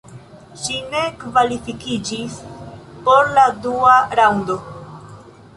Ŝi ne kvalifikiĝis por la dua raŭndo.